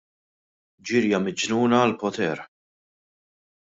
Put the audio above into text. Ġirja miġnuna għall-poter.